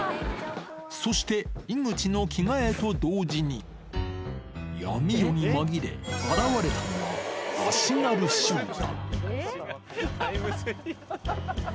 そして、井口の着替えと同時に、闇夜に紛れ、現れたのは、足軽集団。